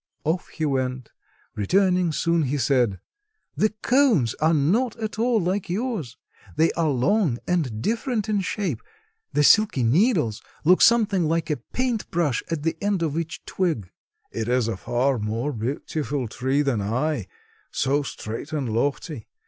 Off he went. Returning soon, he said: "The cones are not at all like yours; they are long and different in shape. The silky needles look something like a paint brush at the end of each twig." "It is a far more beautiful tree than I, so straight and lofty.